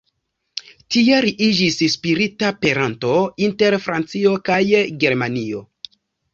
Tie li iĝis spirita peranto inter Francio kaj Germanio.